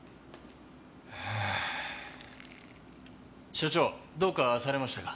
所長どうかされましたか？